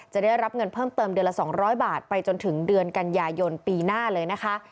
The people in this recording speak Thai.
จะได้รับเงินเพิ่มเติมเดือนละ๒๐๐บาทไปจนถึงเดือนกันยายนปีหน้าเลยนะคะ